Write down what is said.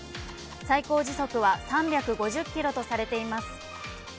最高時速は３５０キロとされています。